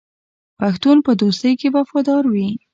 پښتون په دوستۍ کې وفادار وي.